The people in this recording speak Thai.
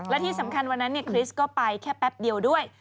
และที่สำคัญวันนั้นคริสก็ไปแค่แป๊บเดียวด้วย